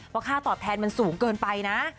ค่าตอบแทนมันสูงเกินไปนะ